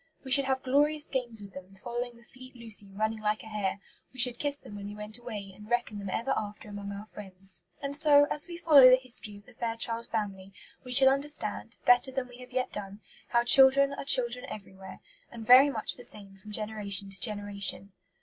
We should have glorious games with them, following the fleet Lucy running like a hare; we should kiss them when we went away, and reckon them ever after among our friends. And so, as we follow the History of the Fairchild Family we shall understand, better than we have yet done, how children are children everywhere, and very much the same from generation to generation.